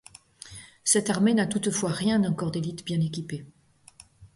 Cette armée n'a toutefois rien d'un corps d'élite bien équipé.